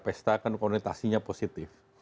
pesta kan konotasinya positif